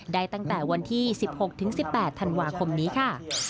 ได้ตั้งแต่วันที่๑๖๑๘ธันวาคมนี้ค่ะ